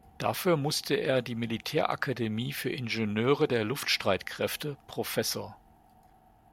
Dafür musste er die Militärakademie für Ingenieure der Luftstreitkräfte „Prof.